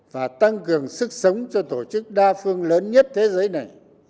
và tăng cường sức sống cho tổ chức đa phương lớn nhất thế giới này